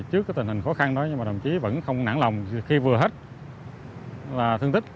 trước tình hình khó khăn đó đồng chí vẫn không nản lòng khi vừa hết thương tích